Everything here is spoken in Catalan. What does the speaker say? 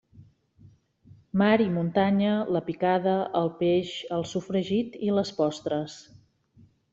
Mar i muntanya, la picada, el peix, el sofregit i les postres.